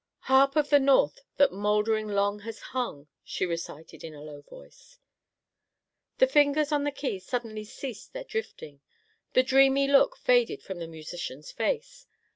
"'Harp of the North that mouldering long has hung,'" she recited in a low voice. The fingers on the keys suddenly ceased their drifting, the dreamy look faded from the musician's face.